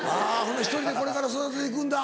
１人でこれから育てて行くんだ。